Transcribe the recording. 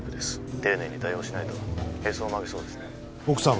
☎丁寧に対応しないとへそを曲げそうですね奥さんは？